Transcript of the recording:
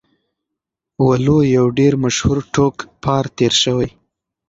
وَلُو يو ډير مشهور ټوکپار تير شوی